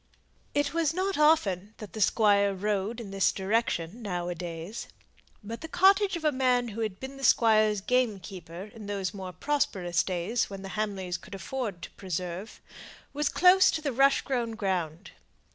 It was not often that the Squire rode in this direction now a days; but the cottage of a man who had been the squire's gamekeeper in those more prosperous days when the Hamleys could afford to "preserve," was close to the rush grown ground.